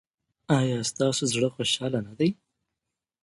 ایا ستاسو زړه خوشحاله نه دی؟